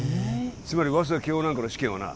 つまり早稲田慶応なんかの試験はな